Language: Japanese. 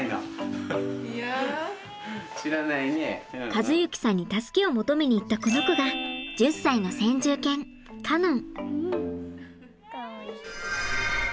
和之さんに助けを求めに行ったこの子が１０歳の先住犬カノン。